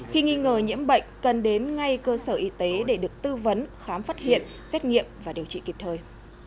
khi nghi ngờ nhiễm bệnh cần đến ngay cơ sở y tế để được tư vấn khám phát hiện xét nghiệm và điều trị kịp thời